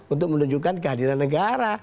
untuk menunjukkan kehadiran negara